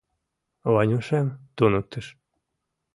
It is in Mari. — Ванюшем туныктыш.